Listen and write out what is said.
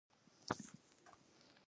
احمد زړه ته زنګنونه ورکړل!